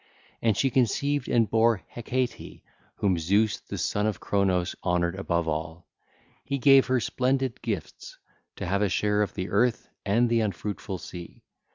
And she conceived and bare Hecate whom Zeus the son of Cronos honoured above all. He gave her splendid gifts, to have a share of the earth and the unfruitful sea.